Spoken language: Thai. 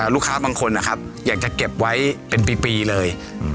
ลูกค้าบางคนนะครับอยากจะเก็บไว้เป็นปีเลย